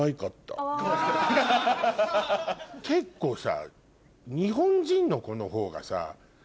結構さ。